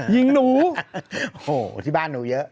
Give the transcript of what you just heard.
โถ้าที่บ้านหนูเยอะ